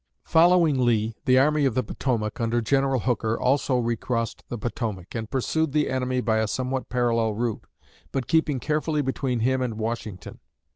Following Lee, the Army of the Potomac, under General Hooker, also recrossed the Potomac, and pursued the enemy by a somewhat parallel route, but keeping carefully between him and Washington.